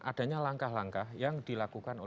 adanya langkah langkah yang dilakukan